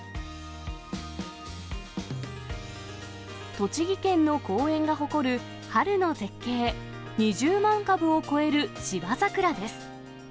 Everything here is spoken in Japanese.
栃木県の公園が誇る春の絶景、２０万株を超える芝ざくらです。